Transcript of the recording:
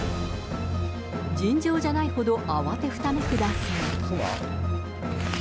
尋常じゃないほど慌ててふためく男性。